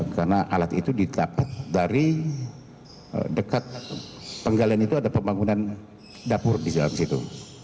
karena alat itu ditap dari dekat penggalian itu ada pembangunan dapur di dalam situ